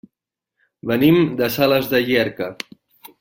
Venim de Sales de Llierca.